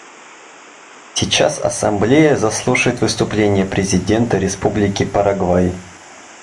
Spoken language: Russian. Сейчас Ассамблея заслушает выступление президента Республики Парагвай.